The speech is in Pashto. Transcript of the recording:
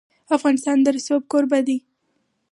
افغانستان د رسوب کوربه دی.